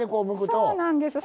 そうなんです。